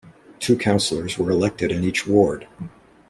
Two councillors were elected in each ward.